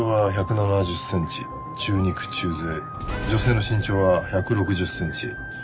女性の身長は１６０センチ。